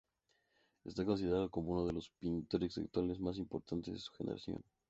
Esta considerado como uno de los pintores actuales más importantes de su generación.